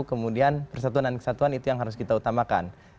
kemudian persatuan dan kesatuan itu yang harus kita utamakan